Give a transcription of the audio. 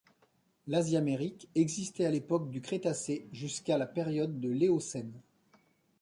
L'Asiamérique existait à l'époque du Crétacé jusqu'à la période de l'Éocène.